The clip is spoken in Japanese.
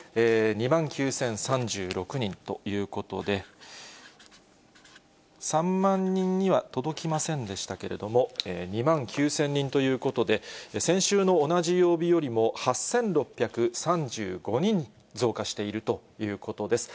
２万９０３６人ということで、３万人には届きませんでしたけれども、２万９０００人ということで、先週の同じ曜日よりも８６３５人増加しているということです。